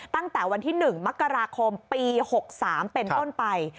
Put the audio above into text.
ตั้งแต่วันที่๑มกราคมปี๖๓เป็นต้นไป